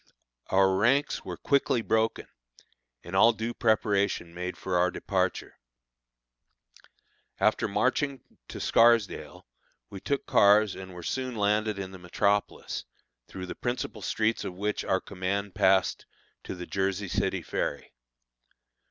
Our ranks were quickly broken, and all due preparation made for our departure. After marching to Scarsdale we took cars and were soon landed in the metropolis, through the principal streets of which our command passed to the Jersey City ferry.